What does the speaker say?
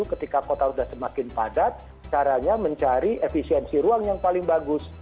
ketika kota sudah semakin padat caranya mencari efisiensi ruang yang paling bagus